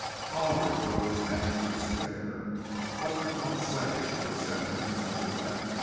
Oliver threw up his hands in despair. What could one say to a sentiment such as that?